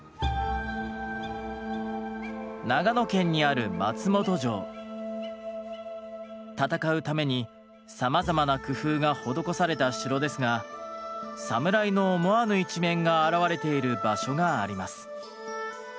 長野県にある戦うためにさまざまな工夫が施された城ですがサムライの思わぬ一面が表れている場所があります。